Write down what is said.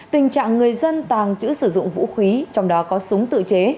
tình trạng người dân tàng trữ sử dụng vũ khí trong đó có súng tự chế